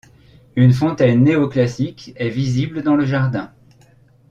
Une fontaine néoclassique est visible dans le jardin.